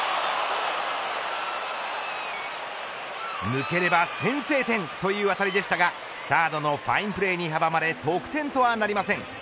抜ければ先制点という当たりでしたがサードのファインプレーに阻まれ得点とはなりません。